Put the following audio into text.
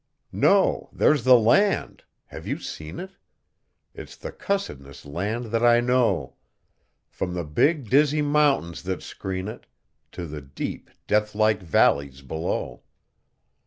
No! There's the land. (Have you seen it?) It's the cussedest land that I know, From the big, dizzy mountains that screen it To the deep, deathlike valleys below.